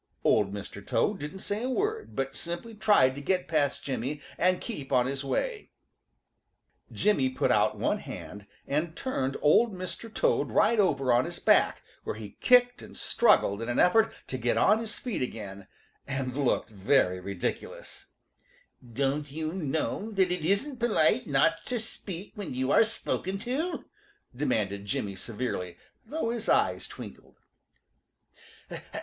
Old Mr. Toad didn't say a word, but simply tried to get past Jimmy and keep on his way. Jimmy put out one hand and turned Old Mr. Toad right over on his back, where he kicked and struggled in an effort to get on his feet again, and looked very ridiculous. "Don't you know that it isn't polite not to speak when you are spoken to?" demanded Jimmy severely, though his eyes twinkled.